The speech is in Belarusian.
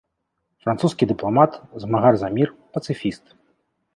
Французскі дыпламат, змагар за мір, пацыфіст.